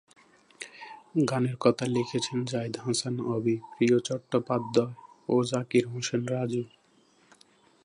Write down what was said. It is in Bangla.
গানের কথা লিখেছেন জাহিদ হাসান অভি, প্রিয় চট্টোপাধ্যায় ও জাকির হোসেন রাজু।